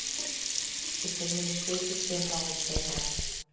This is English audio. Its administrative centre was Bender.